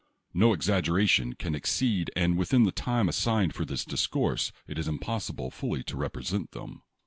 No exaggeration can ex ceed, and within the time assigned for this dis course it is impossible fully to represent them.